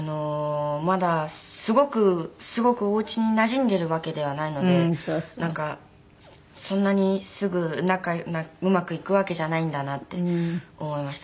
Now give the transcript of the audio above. まだすごくすごくお家になじんでいるわけではないのでなんかそんなにすぐうまくいくわけじゃないんだなって思いました。